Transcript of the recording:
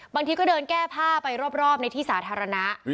บางทีก็เดินแก้ผ้าไปรอบในที่สาธารณะ